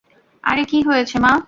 আরে কি হয়েছে, মা?